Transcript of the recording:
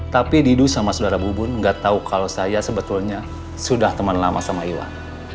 tapi didu sama saudara bubun nggak tahu kalau saya sebetulnya sudah teman lama sama iwan